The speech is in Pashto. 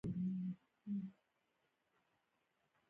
هغه ښکار ته ور کوز شو.